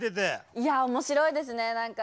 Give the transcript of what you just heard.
いや面白いですね何か。